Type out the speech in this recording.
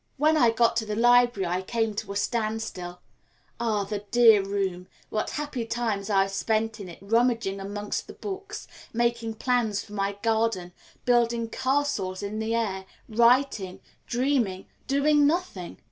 When I got to the library I came to a standstill, ah, the dear room, what happy times I have spent in it rummaging amongst the books, making plans for my garden, building castles in the air, writing, dreaming, doing nothing!